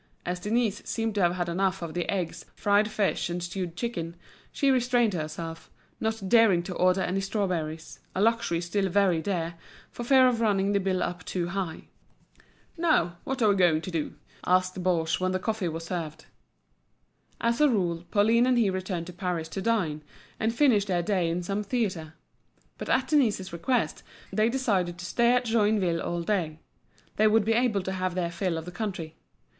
As Denise seemed to have had enough of the eggs, fried fish, and stewed chicken, she restrained herself, not daring to order any strawberries, a luxury still very dear, for fear of running the bill up too high. "Now, what are we going to do?" asked Baugé when the coffee was served. As a rule Pauline and he returned to Paris to dine, and finish their day in some theatre. But at Denise's request, they decided to stay at Joinville all day; they would be able to have their fill of the country.